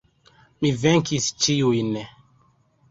Mi venkis ĉiujn.